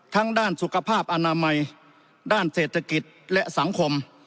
ด้านสุขภาพอนามัยด้านเศรษฐกิจและสังคม